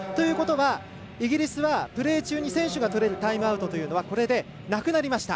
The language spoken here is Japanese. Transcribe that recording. イギリスは選手がとれるタイムアウトはこれでなくなりました。